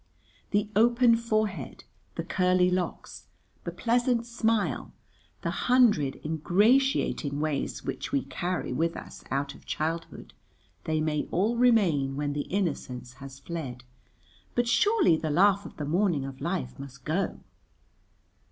The open forehead, the curly locks, the pleasant smile, the hundred ingratiating ways which we carry with us out of childhood, they may all remain when the innocence has fled, but surely the laugh of the morning of life must go.